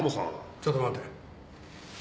ちょっと待て。